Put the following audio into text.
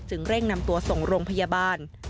เร่งนำตัวส่งโรงพยาบาล